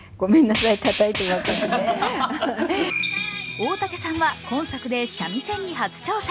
大竹さんは今作で三味線に初挑戦。